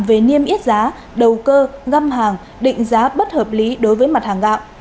về niêm yết giá đầu cơ găm hàng định giá bất hợp lý đối với mặt hàng gạo